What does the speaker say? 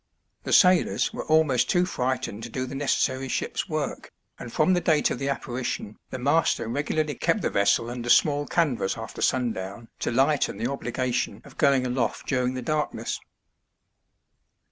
The sailors were almost too frightened to do the neces sary ship's work, and from the date of the apparition the master regularly kept the vessel under small canvas after sundown to lighten the obligation of going aloft during the darkness.